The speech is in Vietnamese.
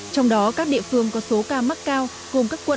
trong đó các địa phương có số ca mắc cao gồm các quận